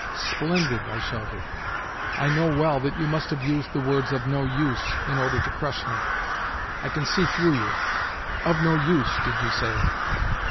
"Splendid!" I shouted. "I know well that you must have used the words 'of no use' in order to crush me. I can see through you. 'Of no use,' did you say?